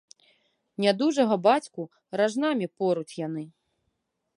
Нядужага бацьку ражнамі поруць яны.